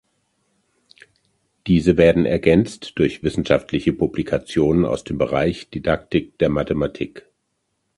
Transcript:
Diese werden ergänzt durch wissenschaftliche Publikationen aus dem Bereich Didaktik der Mathematik.